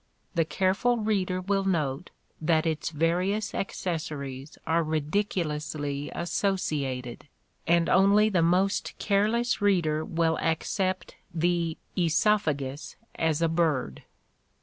The careful reader will note that its various accessories are ridiculously associated, and only the most careless reader will accept the oesophagus as a bird."